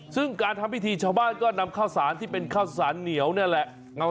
ซึ่งการทำพิธีชาวบ้านก็นำข้าวสารที่เป็นข้าวสารเหนียวนี่แหละ